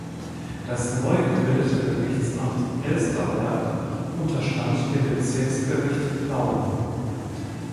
Das neu gebildete Gerichtsamt Elsterberg unterstand dem Bezirksgericht Plauen.